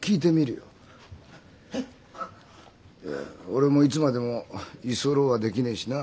俺もいつまでも居候はできねえしな。